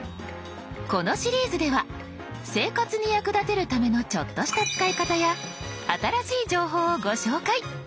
このシリーズでは生活に役立てるためのちょっとした使い方や新しい情報をご紹介。